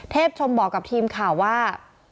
ชมบอกกับทีมข่าวว่า